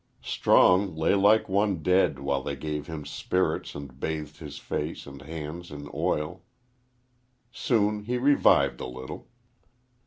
Strong lay like one dead while they gave him spirits and bathed his face and hands in oil. Soon he revived a little.